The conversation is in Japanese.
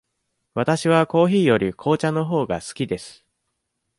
わたしはコーヒーより紅茶のほうが好きです。